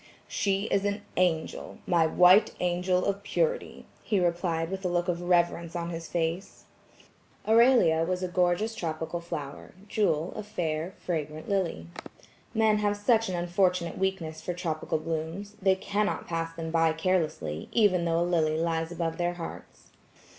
"She is an angel, my white angel of purity," he replied with a look of reverence on his face. Aurelia was a gorgeous tropical flower; Jewel, a fair fragrant lily. Men have such an unfortunate weakness for tropical blooms, they cannot pass them by carelessly, even though a lily lies above their hearts.